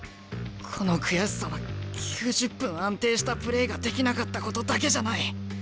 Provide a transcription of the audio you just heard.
この悔しさは９０分安定したプレーができなかったことだけじゃない。